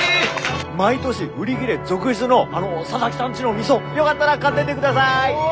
毎年売り切れ続出の佐々木さんちの味噌よがったら買ってってください！